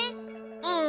うん。